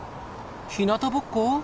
ひなたぼっこ？